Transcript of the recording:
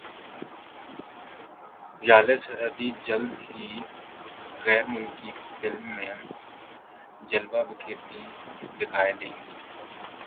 ژالے سرحدی جلد ہی غیر ملکی فلم میں جلوے بکھیرتی دکھائی دیں گی